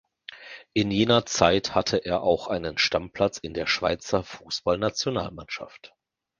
In jener Zeit hatte er auch einen Stammplatz in der Schweizer Fussballnationalmannschaft.